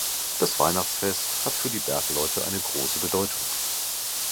Das Weihnachtsfest hat für die Bergleute eine große Bedeutung.